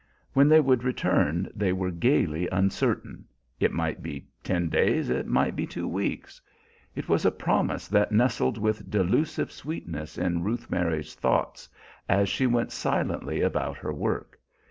When they would return they were gayly uncertain, it might be ten days, it might be two weeks. It was a promise that nestled with delusive sweetness in Ruth Mary's thoughts, as she went silently about her work.